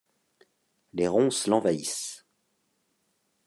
Les ronces l'envahissent.